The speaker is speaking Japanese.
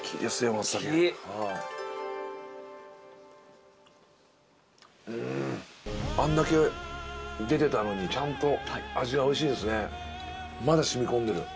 松茸大きいうんあんだけ出てたのにちゃんと味はおいしいですねまだしみこんでる